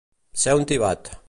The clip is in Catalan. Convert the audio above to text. Ser un tibat.